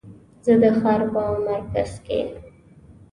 زه د ښار په مرکز کې